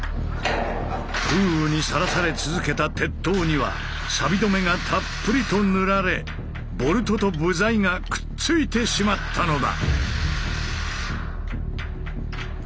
風雨にさらされ続けた鉄塔にはさび止めがたっぷりと塗られボルトと部材がくっついてしまったのだ。